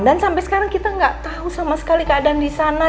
dan sampai sekarang kita nggak tahu sama sekali keadaan di sana